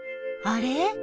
あれ？